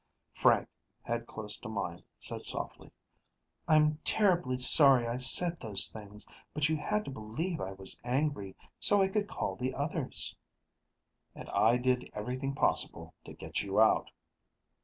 Frank, head close to mine, said softly, "I'm terribly sorry I said those things, but you had to believe I was angry, so I could call the others " "And I did everything possible to get you out...."